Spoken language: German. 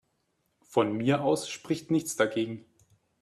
Von mir aus spricht nichts dagegen.